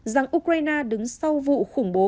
rằng ukraine đứng sau vụ khủng bố